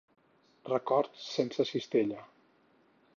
Records sense cistella.